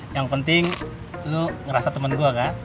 yang penting lu ngerasa temen gua kan